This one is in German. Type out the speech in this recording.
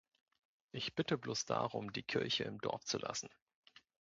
Ich bitte bloß darum, die Kirche im Dorf zu lassen.